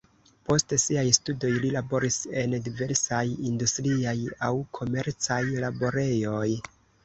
Post siaj studoj li laboris en diversaj industriaj aŭ komercaj laborejoj.